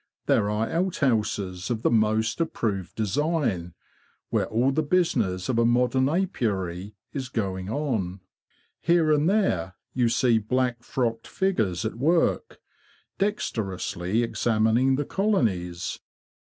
There are outhouses of the most approved design, where all the business of a modern apiary is going on. Here and there you see black frocked figures at work, dexterously examining the colonies.